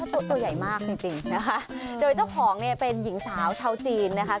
ตัวตัวใหญ่มากจริงจริงนะคะโดยเจ้าของเนี่ยเป็นหญิงสาวชาวจีนนะคะ